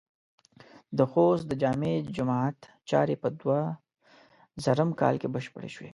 د خوست د جامع جماعت چارې په دوهزرم م کال کې بشپړې شوې.